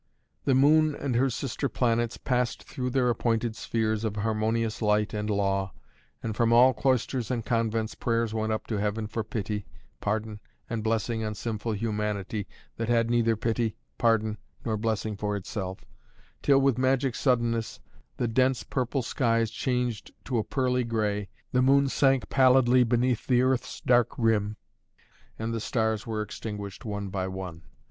The moon and her sister planets passed through their appointed spheres of harmonious light and law, and from all cloisters and convents prayers went up to heaven for pity, pardon and blessing on sinful humanity that had neither pity, pardon nor blessing for itself, till, with magic suddenness, the dense purple skies changed to a pearly grey, the moon sank pallidly beneath the earth's dark rim and the stars were extinguished one by one.